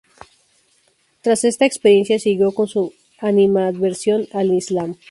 Tras esta experiencia siguió con su animadversión al islam.